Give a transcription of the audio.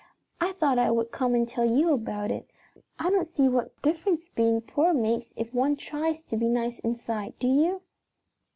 I thought I would come and tell you about it. I don't see what difference being poor makes if one tries to be nice inside, do you?"